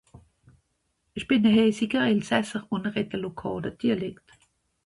Bén a Häsiger Elssaser, un rèd a lokàla dialekt.